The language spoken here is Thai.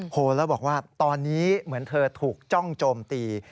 โหแล้วบอกว่าตอนนี้เหมือนเธอถูกจ้องโจมตี